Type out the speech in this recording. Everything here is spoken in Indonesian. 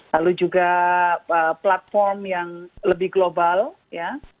lalu juga platform yang lebih global ya